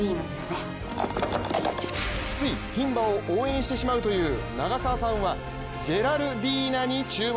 ついひん馬を応援してしまうという長澤さんはジェラルディーナに注目。